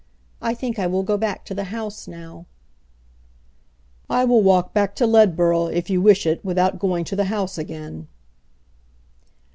I think I will go back to the house now." "I will walk back to Ledburgh if you wish it without going to the house again."